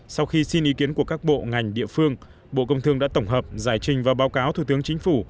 sau khi xin ý kiến của các bộ ngành địa phương bộ công thương đã tổng hợp giải trình và báo cáo thủ tướng chính phủ